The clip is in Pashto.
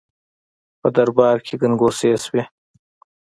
په دربار کې ګنګوسې شوې.